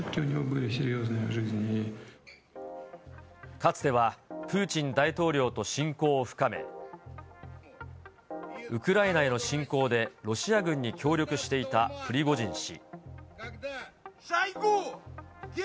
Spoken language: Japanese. かつてはプーチン大統領と親交を深め、ウクライナへの侵攻でロシア軍に協力していたプリゴジン氏。